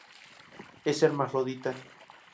Es hermafrodita.